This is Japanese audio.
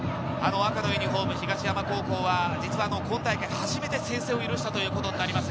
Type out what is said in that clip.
赤のユニホーム・東山高校は、実は今大会、初めて先制を許したということになります。